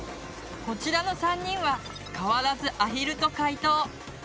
こちらの３人は変わらず「アヒル」と回答。